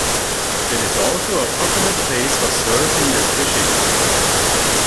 It is also a popular place for surfing and fishing.